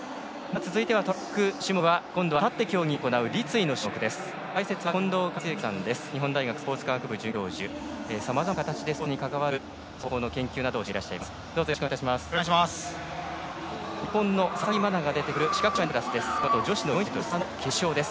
続いてはトラック種目は今度は立って競技を行う立位の種目です。